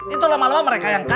itu lama lama mereka yang tahu